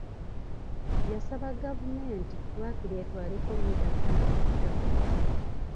Yasaba gavumenti waakiri ettwaleko mmita ntono ku ttaka.